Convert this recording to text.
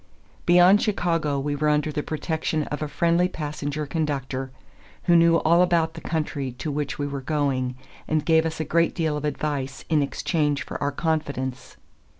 Beyond Chicago we were under the protection of a friendly passenger conductor, who knew all about the country to which we were going and gave us a great deal of advice in exchange for our confidence.